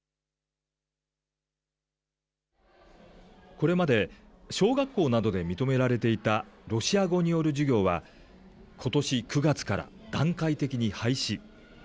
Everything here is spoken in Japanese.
これまで、小学校などで認められていたロシア語による授業は、ことし９月から段階的に廃止。